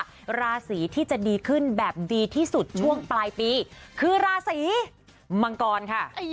ราศีที่จะดีขึ้นแบบดีที่สุดช่วงปลายปีคือราศีมังกรค่ะ